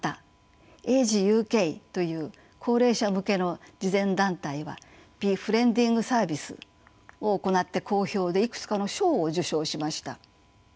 またＡｇｅＵＫという高齢者向けの慈善団体はビ・フレンディングサービスを行って好評でいくつかの賞を受賞しました。